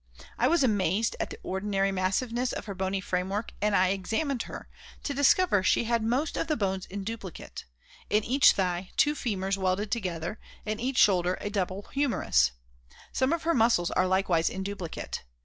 I was amazed at the extraordinary massiveness of her bony framework and I examined her, to discover she had most of the bones in duplicate in each thigh two femurs welded together, in each shoulder a double humerus. Some of her muscles are likewise in duplicate.